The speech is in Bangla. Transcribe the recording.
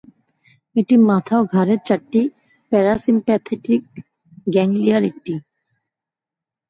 এটি মাথা ও ঘাড়ের চারটি প্যারাসিম্প্যাথেটিক গ্যাংলিয়ার একটি।